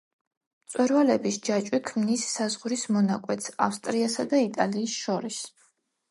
მწვერვალების ჯაჭვი ქმნის საზღვრის მონაკვეთს ავსტრიასა და იტალიას შორის.